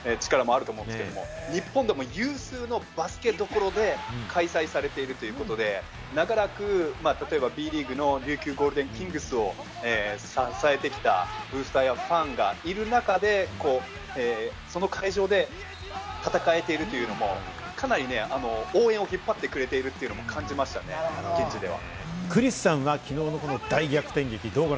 これはＨＣが信じさせている力もあると思うんですけれども、日本でも有数のバスケットどころで開催されているということで、長らくＢリーグの琉球ゴールデンキングスを支えてきたブースターやファンがいる中で、その会場で戦えているというのも、かなり応援を引っ張ってくれているというのも感じましたね、現地では。